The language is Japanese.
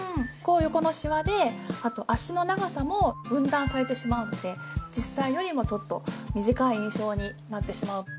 この横のシワであと脚の長さも分断されてしまうので実際よりもちょっと短い印象になってしまう。